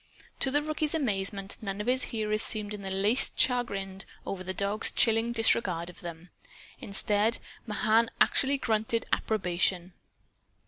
To the rookie's amazement none of his hearers seemed in the least chagrined over the dogs chilling disregard of them. Instead, Mahan actually grunted approbation.